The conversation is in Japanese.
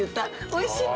おいしい。